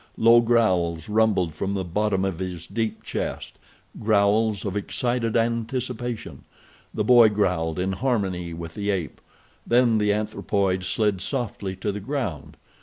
Low growls rumbled from the bottom of his deep chest—growls of excited anticipation. The boy growled in harmony with the ape. Then the anthropoid slid softly to the ground.